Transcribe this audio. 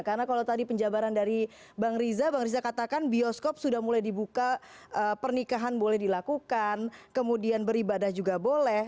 karena kalau tadi penjabaran dari bang riza bang riza katakan bioskop sudah mulai dibuka pernikahan boleh dilakukan kemudian beribadah juga boleh